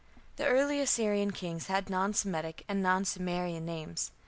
The early Assyrian kings had non Semitic and non Sumerian names.